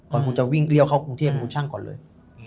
ก่อนคุณจะวิ่งเลี่ยวเข้ากรุงเทพเนี่ยคุณชั่งก่อนเลย